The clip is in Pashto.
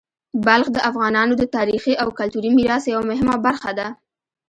بلخ د افغانانو د تاریخي او کلتوري میراث یوه مهمه برخه ده.